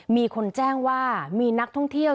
มีคนแจ้งว่ามีนักท่องเที่ยว